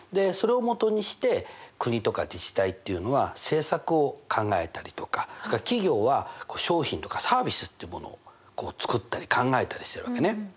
それをもとにして国とか自治体っていうのは政策を考えたりとかそれから企業は商品とかサービスっていうものを作ったり考えたりしてるわけね。